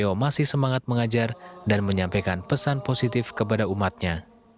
yo masih semangat mengajar dan menyampaikan pesan positif kepada umatnya